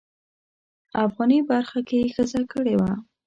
افغاني برخه کې یې ښځه کړې وه.